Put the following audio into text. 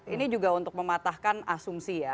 ini juga untuk mematahkan asumsi ya